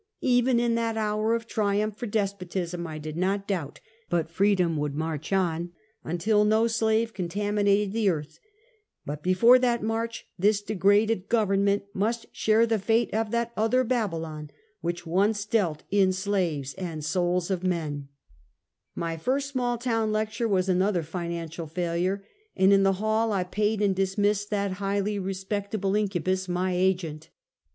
Even in that hour of triumph for despotism, I did not doubt but 'Freedom would march on until no slave contaminated the eartli; but before that march this degraded government must share the fate of that other Babylon, which once dealt " in slaves and souls of men." 220 Half a Centuet. My first small town lecture was another financial failure, and in the hall I paid and dismissed that high ly respectable incubus — my agent.